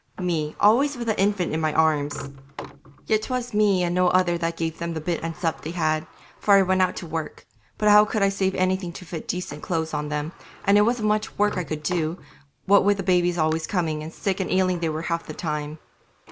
Me always with an infant in my arms! Yet 'twas me and no other that gave them the bit and sup they had, for I went out to work; but how could I save anything to fit decent clothes on them, and it wasn't much work I could do, what with the babies always coming, and sick and ailing they were half the time.